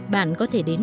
bạn có thể đến